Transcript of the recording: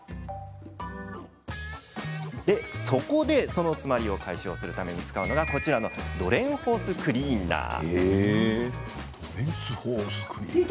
そこで、その詰まりを解消するために使うのがこちらのドレンホースクリーナー。